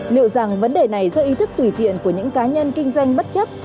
liệu rằng vấn đề này do ý thức tùy tiện của những cá nhân kinh doanh bất chấp